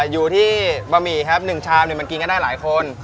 อยู่ที่บะหมี่ครับหนึ่งชามหนึ่งมันกินก็ได้หลายคน